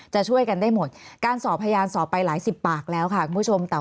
จะช่วยกันได้หมดการสอบพยานสอบไปหลายสิบปากแล้วค่ะคุณผู้ชม